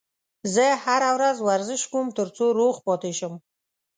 زه هره ورځ ورزش کوم ترڅو روغ پاتې شم